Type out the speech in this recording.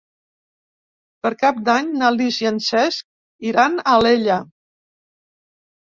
Per Cap d'Any na Lis i en Cesc iran a Alella.